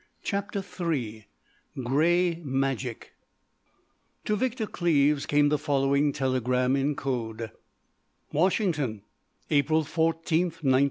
CHAPTER III GREY MAGIC To Victor Cleves came the following telegram in code: "Washington "April 14th, 1919."